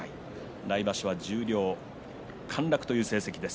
来場所は十両陥落という成績です。